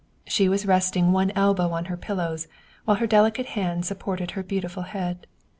She was resting one elbow on her pil lows, while her delicate hand supported her beautiful head.